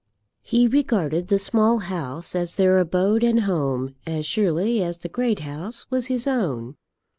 He regarded the Small House as their abode and home as surely as the Great House was his own.